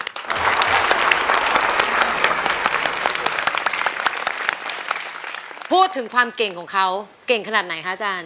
พูดถึงความเก่งของเขาเก่งขนาดไหนคะอาจารย์